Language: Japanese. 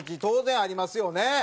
当然ありますよね？